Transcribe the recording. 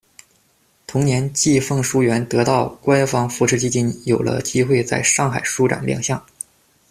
同年，季风书园得到官方扶持资金，有了机会在上海书展亮相。